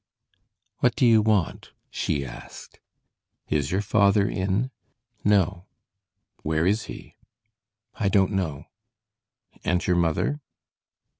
"What do you want?" she asked. "Is your father in?" "No." "Where is he?" "I don't know." "And your mother?"